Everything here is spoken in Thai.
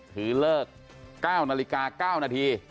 ถือเลิก๙นาฬิกา๙นาที